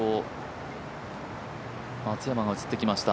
松山が映ってきました。